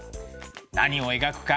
何を描くか